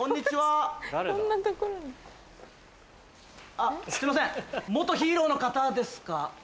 あっすいません元ヒーローの方ですか？